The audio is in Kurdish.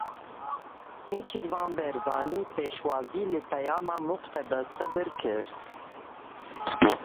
Nêçîrvan Barzanî pêşwazî li peyama Muqteda Sedr kir.